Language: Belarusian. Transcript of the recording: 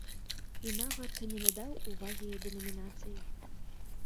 І нават не надаў увагі дэнамінацыі.